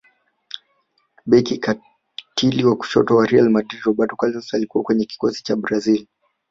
beki katili wa kushoto wa real madrid roberto carlos alikuwa kwenye kikosi cha brazil